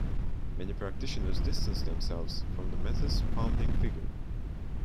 Many practitioners distance themselves from the method's founding figure.